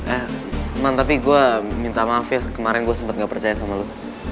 eh tapi gue minta maaf ya kemarin gue sempat gak percaya sama lo